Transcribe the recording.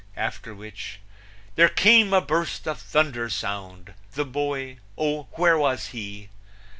After which: There came a burst of thunder sound; The boy oh! where was he?